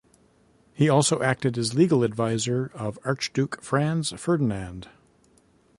He also acted as legal advisor of Archduke Franz Ferdinand.